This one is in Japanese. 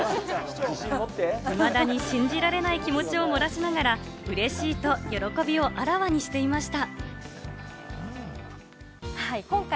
いまだに信じられない気持ちを漏らしながら、嬉しいと喜びをあらわにしていました。